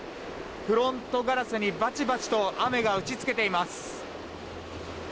フロントガラスにバチバチと雨が打ち付けています。